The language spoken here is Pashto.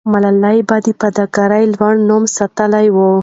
ملالۍ به د فداکارۍ لوړ نوم ساتلې وو.